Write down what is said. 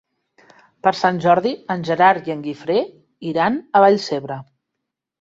Per Sant Jordi en Gerard i en Guifré iran a Vallcebre.